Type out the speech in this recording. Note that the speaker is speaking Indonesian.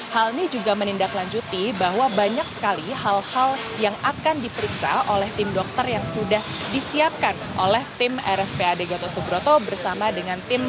hal ini juga menindaklanjuti bahwa banyak sekali hal hal yang akan diperiksa oleh tim dokter yang sudah disiapkan oleh tim rspad gatot subroto bersama dengan tim